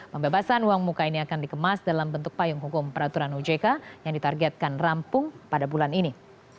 pembebasan uang muka ini akan dikemas dalam bentuk payung hukum peraturan ojk yang ditargetkan rampung pada bulan ini